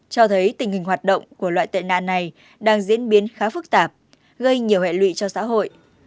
cho thấy tình hình hoạt động của loại tệ nạn này đang diễn biến khá phức tạp gây nhiều hệ lụy cho xã hội